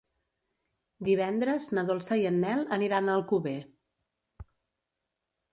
Divendres na Dolça i en Nel aniran a Alcover.